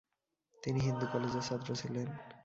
তিনি হিন্দু কলেজের ছাত্র ছিলেন।